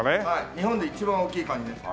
日本で一番大きいカニです。